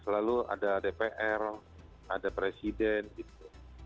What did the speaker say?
selalu ada dpr ada presiden gitu